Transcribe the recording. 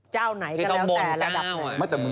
เจ้าหน่าง็จะแล้วแก้ระดับหนึ่ง